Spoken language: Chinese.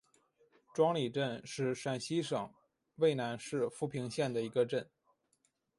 庄里镇是陕西省渭南市富平县的一个镇。